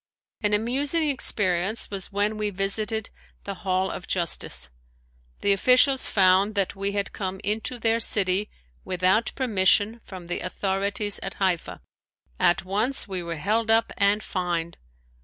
An amusing experience was when we visited the Hall of Justice. The officials found that we had come into their city without permission from the authorities at Haifa. At once we were held up and fined.